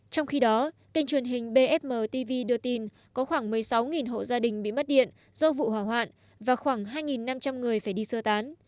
trong khi đó kênh truyền hình bfm tv đưa tin có khoảng một mươi sáu hộ gia đình bị mất điện do vụ hỏa hoạn và khoảng hai năm trăm linh người phải đi sơ tán